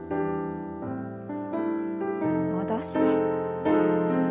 戻して。